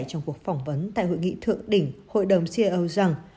trong cuộc phỏng vấn tại hội nghị thượng đỉnh hội đồng ceo rằng